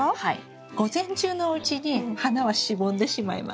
午前中のうちに花はしぼんでしまいます。